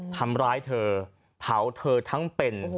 ทำร้ายเธอเผาเธอทั้งเป็น